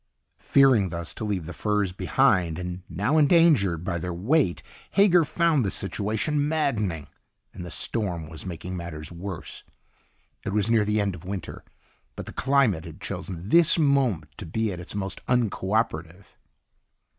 Fearing, thus, to leave the furs behind, and now endangered by their weight, Hager found the situation maddening. And the storm was making matters worse. It was near the end of winter, but the climate had chosen this moment to be at its most unco operative.